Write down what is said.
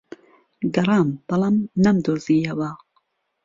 گەڕام، بەڵام نەمدۆزییەوە.